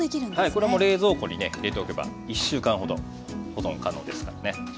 これも冷蔵庫にね入れておけば１週間ほど保存可能ですからね。